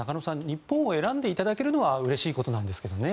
日本を選んでいただけるのはうれしいことなんですけどね。